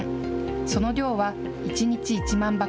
その量は１日１万箱。